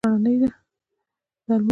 د المار ولسوالۍ غرنۍ ده